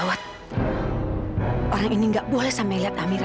gawat orang ini enggak boleh sampai lihat amira